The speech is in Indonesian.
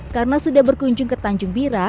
karena sudah berkunjung ke tanjung wira